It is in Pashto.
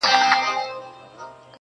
دا زموږ جونګړه بورجل مه ورانوی!